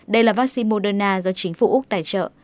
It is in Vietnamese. đây là vaccine moderna do chính phủ úc tài trợ